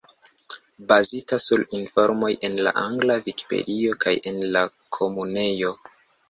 Bazita sur informoj en la angla Vikipedio kaj en la Komunejo.